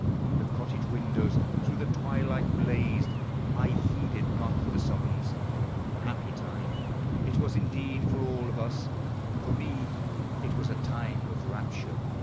The cottage windows through the twilight blazed, I heeded not the summons. Happy time It was indeed for all of us; for me It was a time of rapture!